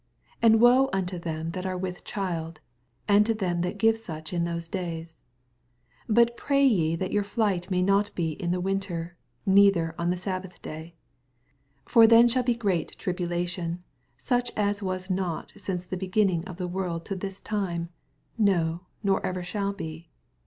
19 And woe unto them that are with child, and to them that give each in those days ! 20 Bat pray ye that ^onr flight be not in the winter, neither on the Babbath day : 21 For then shall be great tribula tion, such as was not since the begin ning of the world to this time, no, nor ever shall be.